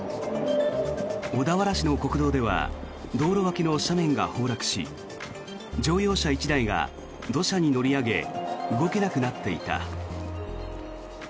小田原市の国道では道路脇の斜面が崩落し乗用車１台が土砂に乗り上げ動けなくなっていた。